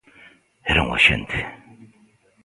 Era un axente.